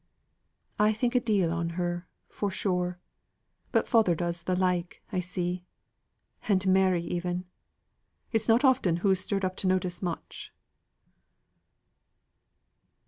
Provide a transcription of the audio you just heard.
I think a deal on her, for sure. But father does the like, I see. And Mary even. It's not often hoo's stirred up to notice much."